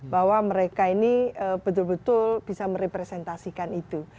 bahwa mereka ini betul betul bisa merepresentasikan itu